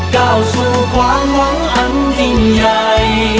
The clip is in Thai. ก้าวสู่ความหวังอันยิ่งใหญ่